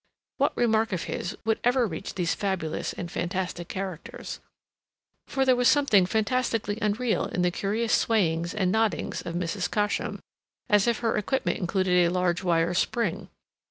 What remark of his would ever reach these fabulous and fantastic characters?—for there was something fantastically unreal in the curious swayings and noddings of Mrs. Cosham, as if her equipment included a large wire spring.